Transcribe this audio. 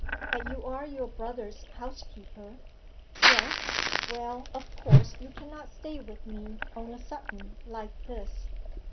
'But you are your brother's housekeeper?' 'Yes.' 'Well, of course you cannot stay with me on a sudden like this....